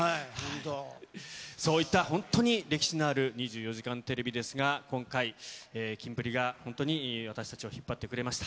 そういった、本当に歴史のある２４時間テレビですが、今回、キンプリが本当に私たちを引っ張ってくれました。